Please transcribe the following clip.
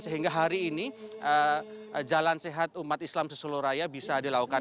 sehingga hari ini jalan sehat umat islam seseluruh raya bisa dilakukan